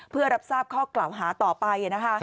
เพื่อรับทราบข้อกล่าวหาต่อไปนะคะ